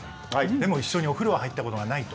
でも一緒にお風呂は入ったことがないと。